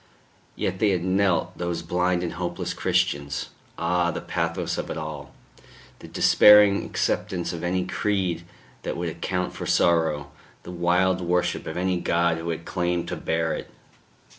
Yet they had knelt, those blind and hopeless Christians.... Ah! the pathos of it all, the despairing acceptance of any creed that would account for sorrow, the wild worship of any God who had claimed to bear it!